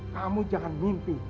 kamu jangan mimpi